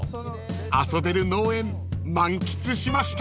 ［遊べる農園満喫しました］